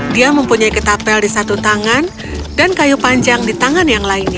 dia mempunyai ketapel di satu tangan dan kayu panjang di tangan yang lainnya